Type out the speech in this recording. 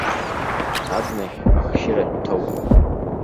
Абнахь ахшьыра дҭоуп.